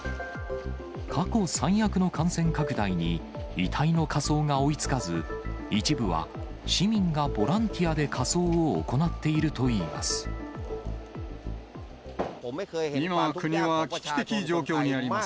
過去最悪の感染拡大に、遺体の火葬が追いつかず、一部は市民がボランティアで火葬を行っ今、国は危機的状況にあります。